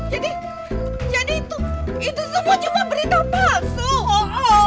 jadi jadi itu itu semua cuma berita palsu